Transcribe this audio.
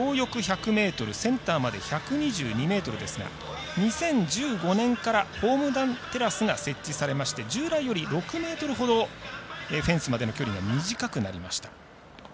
両翼１００ｍセンターまで１２２ｍですが２０１５年からホームランテラスが設置されまして従来より６ｍほどフェンスまでの距離が短くなりました。